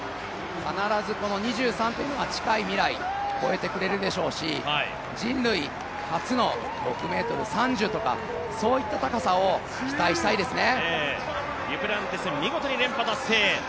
必ず２３というのは近い未来超えてくれるでしょうし、人類初の６ｍ３０とか、そういった高さを期待したいですね。